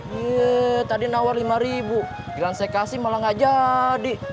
hmm tadi nawar rp lima bilang saya kasih malah gak jadi